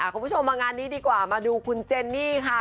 คุณผู้ชมมางานนี้ดีกว่ามาดูคุณเจนนี่ค่ะ